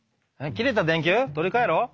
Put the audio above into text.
消えた電球取り替えろ？